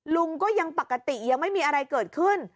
ลุงก็ยังปกติยังไม่มีอะไรเกิดขึ้น